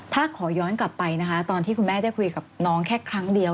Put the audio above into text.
ถ้าขอย้อนกลับไปนะคะตอนที่คุณแม่ได้คุยกับน้องแค่ครั้งเดียว